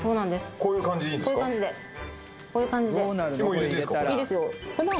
こういう感じでこういう感じでもう入れていいすか？